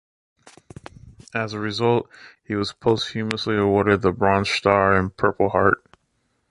As a result, he was posthumously awarded the Bronze Star and Purple Heart.